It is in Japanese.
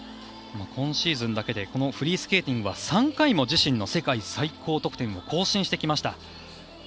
今シーズンだけでフリースケーティングは３回も自身の最高得点を更新してきました。